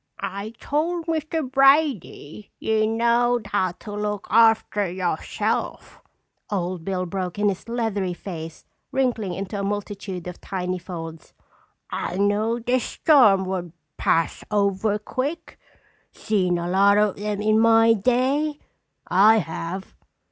"I told Mr. Brady you knowed how to look arfter yourself," Old Bill broke in, his leathery face wrinkling into a multitude of tiny folds. "I knowed this storm would pass over quick—seen a lot of 'em in my day, I have.